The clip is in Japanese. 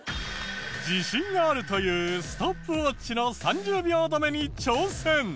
自信があるというストップウォッチの３０秒止めに挑戦。